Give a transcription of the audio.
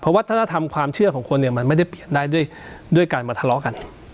วัฒนธรรมความเชื่อของคนเนี่ยมันไม่ได้เปลี่ยนได้ด้วยการมาทะเลาะกัน